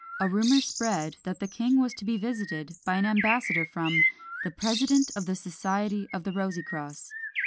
In November, 1626, a rumour spread that the king was to be visited by an ambassador from "the President of the Society of the Rosycross."